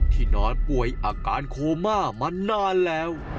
นอนป่วยอาการโคม่ามานานแล้ว